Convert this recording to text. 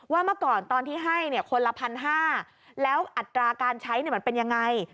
เมื่อก่อนตอนที่ให้คนละ๑๕๐๐แล้วอัตราการใช้มันเป็นยังไง